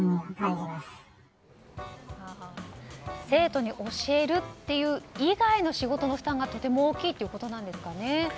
生徒に教える以外の仕事の負担がとても大きいということなんですかね。